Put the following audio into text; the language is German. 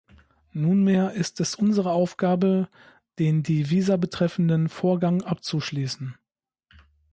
Nunmehr ist es unsere Aufgabe, den die Visa betreffenden Vorgang abzuschließen.